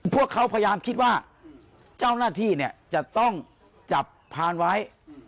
พวกเขาพยายามคิดว่าเจ้าหน้าที่เนี่ยจะต้องจับพานไว้